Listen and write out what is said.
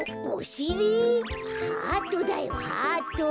ハートだよハート。